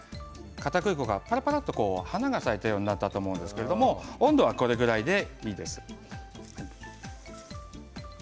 かたくり粉が、ぱらぱらっと花が咲いたようになったと思うんですけども温度はこれくらいでいいです。